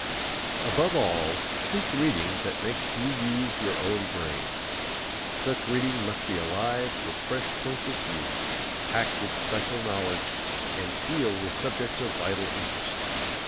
Above all, seek reading that makes you use your own brains. Such reading must be alive with fresh points of view, packed with special knowledge, and deal with subjects of vital interest.